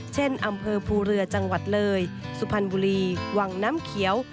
เช่นอำเภอภูเรือจังหวัดเลยสุพรรณบุรีวังน้ำเขียว